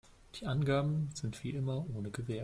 Die Angaben sind wie immer ohne Gewähr.